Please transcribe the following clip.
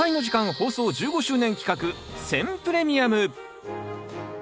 放送１５周年企画選プレミアム。